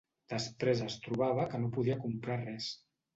Després es trobava que no podia comprar res